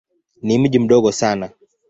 Ni mji mdogo sana.